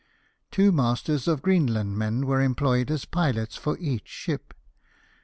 Two masters of Greenlandmen were employed as pilots for each ship.